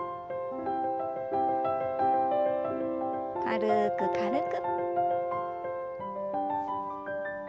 軽く軽く。